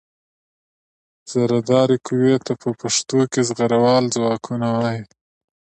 زرهدارې قوې ته په پښتو کې زغروال ځواکونه وايي.